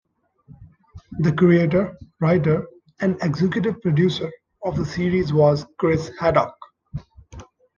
The creator, writer and executive producer of the series was Chris Haddock.